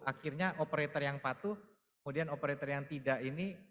akhirnya operator yang patuh kemudian operator yang tidak ini